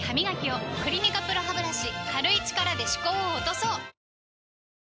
「クリニカＰＲＯハブラシ」軽い力で歯垢を落とそう！